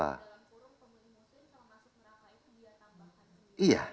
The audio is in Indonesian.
dalam kurung pembina siri masih merahai kebiayaan tambah